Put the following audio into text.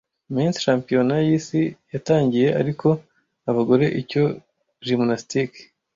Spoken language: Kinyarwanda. Mens championnat yisi yatangiye ariko abagore icyo Gymnastique